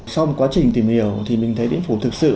sau một quá trình tìm hiểu thì mình thấy điện phủ thực sự